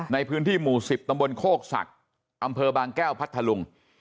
ในพื้นที่หมู่๑๐ตำบลโคกศักดิ์อำเภอบางแก้วพัทธลุง